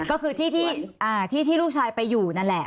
ก็คือที่ลูกชายไปอยู่นั่นแหละ